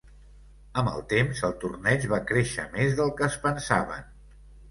Amb el temps, el torneig va créixer més del que es pensaven.